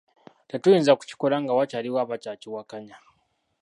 Tetuyinza kukikola nga waliwo abakyakiwakanya.